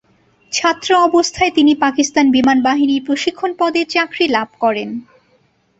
ছাত্র অবস্থায় তিনি পাকিস্তান বিমান বাহিনীর প্রশিক্ষণ পদে চাকরি লাভ করেন।